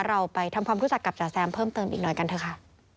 เราไปทำความรู้จักกับจ๋าแซมเพิ่มเติมอีกหน่อยกันเถอะค่ะ